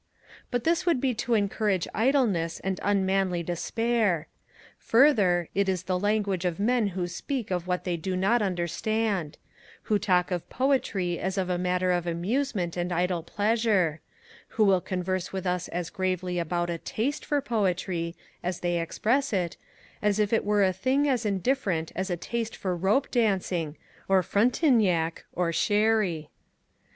But this would be to encourage idleness and unmanly despair. Further, it is the language of men who speak of what they do not understand; who talk of Poetry as of a matter of amusement and idle pleasure; who will converse with us as gravely about a taste for Poetry, as they express it, as if it were a thing as indifferent as a taste for rope dancing, or Frontiniac or Sherry.